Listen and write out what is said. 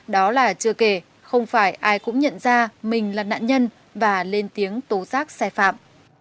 đó là chưa kể không phải ai cũng nhận ra mình là nạn nhân và lên tiếng tố giác sai phạm